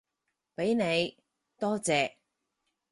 畀你，多謝